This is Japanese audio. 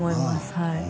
はい